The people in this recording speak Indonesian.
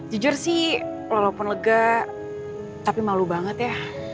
jujur sih walaupun lega tapi malu banget ya